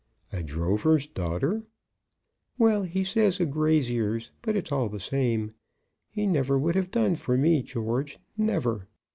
"A drover's daughter?" "Well, he says a grazier's; but it's all the same. He never would have done for me, George; never.